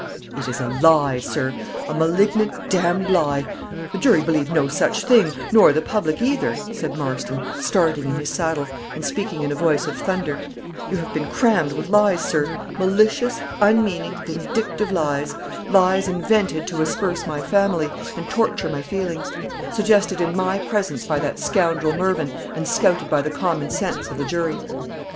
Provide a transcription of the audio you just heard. "It is a lie, sir a malignant, d d lie the jury believe no such thing, nor the public neither," said Marston, starting in his saddle, and speaking in a voice of thunder; "you have been crammed with lies, sir; malicious, unmeaning, vindictive lies; lies invented to asperse my family, and torture my feelings; suggested in my presence by that scoundrel Mervyn, and scouted by the common sense of the jury."